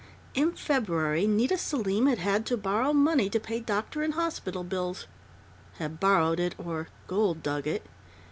In February Nita Selim had had to borrow money to pay doctor and hospital bills. Had borrowed it or "gold dug" it....